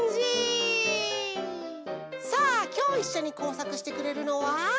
さあきょういっしょにこうさくしてくれるのは。